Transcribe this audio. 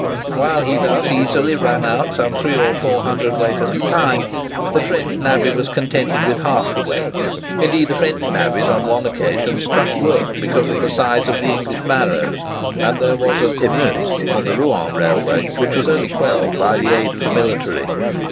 While he thus easily ran out some 3 or 4 cwt. at a time, the French navvy was contented with half the weight. Indeed, the French navvies on one occasion struck work because of the size of the English barrows, and there was an émeute on the Rouen Railway, which was only quelled by the aid of the military.